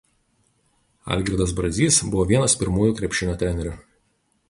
Algirdas Brazys buvo vienas pirmųjų krepšinio trenerių.